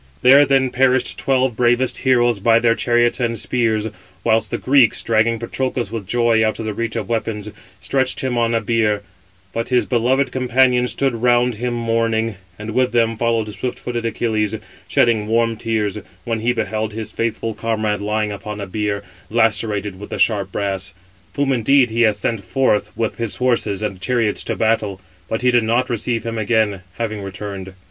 There then perished twelve bravest heroes by their chariots and spears, whilst the Greeks, dragging Patroclus with joy out of the reach of weapons, stretched him on a bier; but his beloved companions stood round him mourning, and with them followed swift footed Achilles, shedding warm tears, when he beheld his faithful comrade lying upon a bier, lacerated with the sharp brass: whom indeed he had sent forth with his horses and chariots to battle, but did not receive him again, having returned.